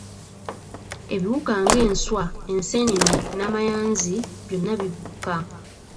Ebiwuka nga enswa, enseenene n'amayanzi byonna bibuuka.